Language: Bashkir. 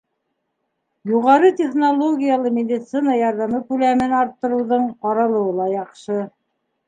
Юғары технологиялы медицина ярҙамы күләмен арттырыуҙың ҡаралыуы ла яҡшы.